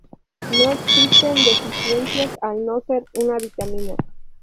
No existen deficiencias al no ser una vitamina.